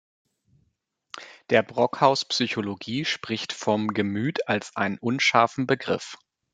Der „Brockhaus Psychologie“ spricht von Gemüt als einem unscharfen Begriff.